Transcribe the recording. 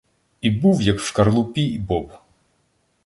І був, як в шкаралупі боб.